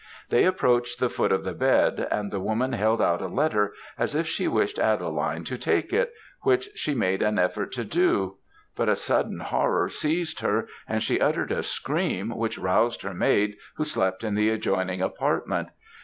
They approached the foot of the bed, and the woman held out a letter, as if she wished Adeline to take it, which she made an effort to do; but a sudden horror seized her, and she uttered a scream which roused her maid who slept in the adjoining apartment.